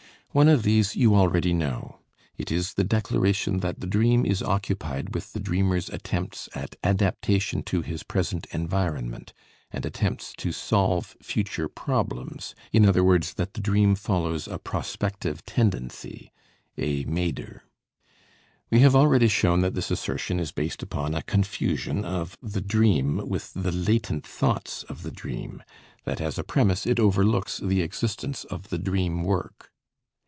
One of these you already know. It is the declaration that the dream is occupied with the dreamer's attempts at adaptation to his present environment, and attempts to solve future problems, in other words, that the dream follows a "prospective tendency" (A. Maeder). We have already shown that this assertion is based upon a confusion of the dream with the latent thoughts of the dream, that as a premise it overlooks the existence of the dream work.